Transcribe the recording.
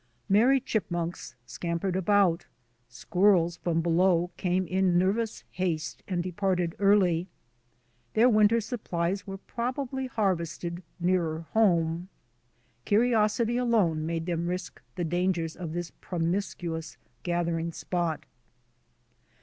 Merry chipmunks scampered about. Squirrels from below came in nervous haste and departed early. Their winter supplies were probably har vested nearer home. Curiosity alone made them risk the dangers of this promiscuous gathering spot.